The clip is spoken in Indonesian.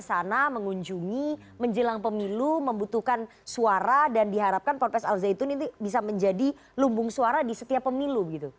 di sana mengunjungi menjelang pemilu membutuhkan suara dan diharapkan ponpes al zaitun ini bisa menjadi lumbung suara di setiap pemilu